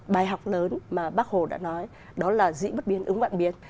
bài học lớn mà bác hồ đã nói đó là dĩ bất biến ứng vạn biến